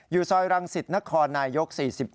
อยู่ซอยรังศิษฐ์นครนายยก๔๕